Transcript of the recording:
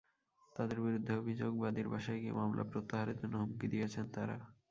তাঁদের বিরুদ্ধে অভিযোগ, বাদীর বাসায় গিয়ে মামলা প্রত্যাহারের জন্য হুমকি দিয়েছেন তাঁরা।